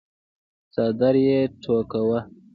څادر يې ټکواهه.